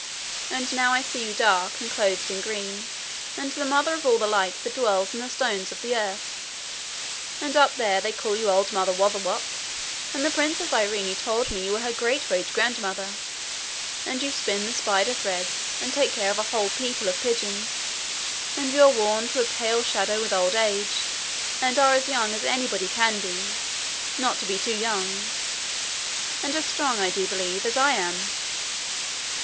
'And now I see you dark, and clothed in green, and the mother of all the light that dwells in the stones of the earth! And up there they call you Old Mother Wotherwop! And the Princess Irene told me you were her great great grandmother! And you spin the spider threads, and take care of a whole people of pigeons; and you are worn to a pale shadow with old age; and are as young as anybody can be, not to be too young; and as strong, I do believe, as I am.'